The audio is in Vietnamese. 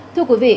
thưa quý vị